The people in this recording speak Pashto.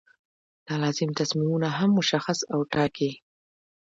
دا لازم تصمیمونه هم مشخص او ټاکي.